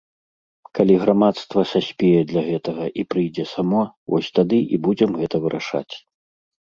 Калі грамадства саспее для гэтага і прыйдзе само, вось тады і будзем гэта вырашаць.